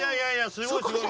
すごいすごい。